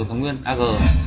ừ kháng nguyên ag